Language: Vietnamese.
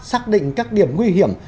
xác định các điểm nguy hiểm